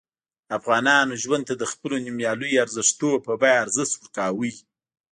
افغانانو ژوند ته د خپلو نوميالیو ارزښتونو په بیه ارزښت ورکاوه.